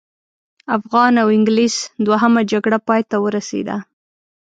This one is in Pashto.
افغان او انګلیس دوهمه جګړه پای ته ورسېده.